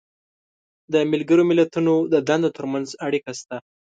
د ملګرو ملتونو د دندو تر منځ اړیکه شته.